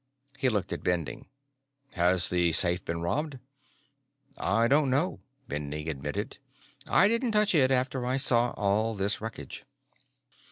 He looked at Bending. "Has the safe been robbed?" "I don't know," Bending admitted. "I didn't touch it after I saw all this wreckage."